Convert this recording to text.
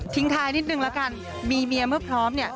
ท้ายนิดนึงละกันมีเมียเมื่อพร้อมเนี่ย